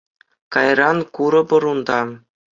Кайран курӑпӑр унта.